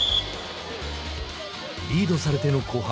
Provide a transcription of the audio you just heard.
リードされての後半。